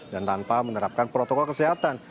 dan tanpa menerapkan protokol kesehatan